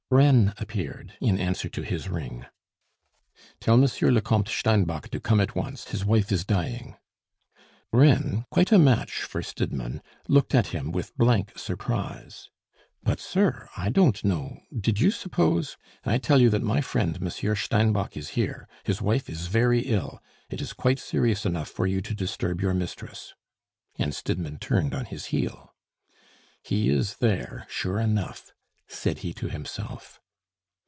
Reine appeared in answer to his ring. "Tell Monsieur le Comte Steinbock to come at once, his wife is dying " Reine, quite a match for Stidmann, looked at him with blank surprise. "But, sir I don't know did you suppose " "I tell you that my friend Monsieur Steinbock is here; his wife is very ill. It is quite serious enough for you to disturb your mistress." And Stidmann turned on his heel. "He is there, sure enough!" said he to himself.